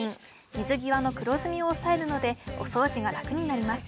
水際の黒ズミを抑えるのでお掃除が楽になります。